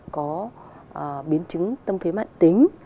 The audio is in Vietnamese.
có biến chứng tâm phế mạng tính